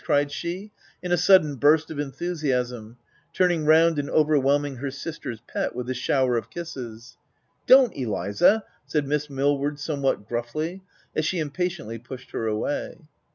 '* cried she, in a sudden burst of enthusiasm, turning round and overwhelming her sister's pet with a shower of kisses. u Don't Eliza I" said Miss Millward, some what gruffly as she impatiently pushed her away.